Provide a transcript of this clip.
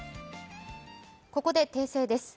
ここで訂正です。